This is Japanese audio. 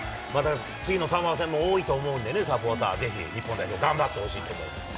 次のサモア戦も多いと思うんでね、サポーター、ぜひ、日本代表、頑張ってもらいたいと思います。